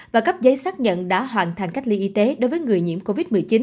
và cấp giấy xác nhận đã hoàn thành cách ly y tế đối với người nhiễm covid một mươi chín